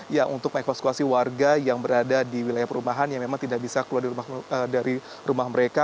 ya untuk mengevakuasi warga yang berada di wilayah perumahan yang memang tidak bisa keluar dari rumah mereka